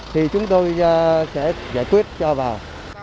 thì chúng tôi sẽ giải quyết cho vào